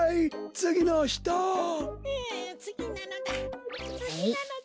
つぎなのだ。